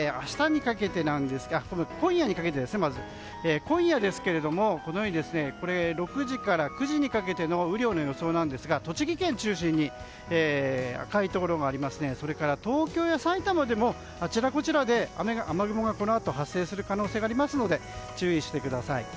そして、今夜にかけてですが今夜、このように６時から９時にかけての雨量の予想なんですが栃木県を中心に赤いところがありますし東京や埼玉でもあちらこちらで雨雲が発生する可能性がありますので注意してください。